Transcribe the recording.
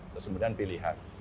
terus kemudian pilihan